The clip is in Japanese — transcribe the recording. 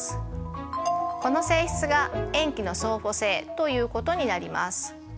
この性質が塩基の相補性ということになります。